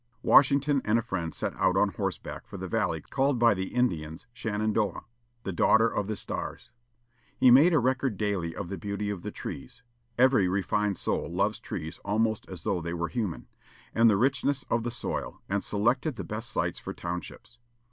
Washington and a friend set out on horseback for the valley called by the Indians Shenandoah, "the daughter of the stars." He made a record daily of the beauty of the trees every refined soul loves trees almost as though they were human and the richness of the soil, and selected the best sites for townships.